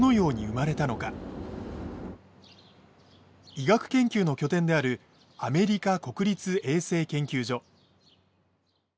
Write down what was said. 医学研究の拠点であるアメリカ国立衛生研究所。